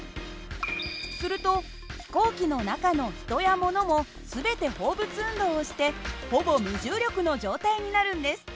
すると飛行機の中の人やものも全て放物運動をしてほぼ無重力の状態になるんです。